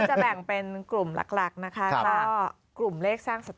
จะแบ่งเป็นกลุ่มหลักนะคะก็กลุ่มเลขสร้างสรรค